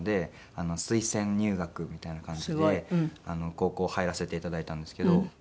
高校入らせて頂いたんですけど。